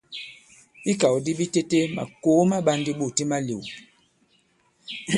I ikàw di bitete makòo ma ɓā ndī ɓôt i malēw.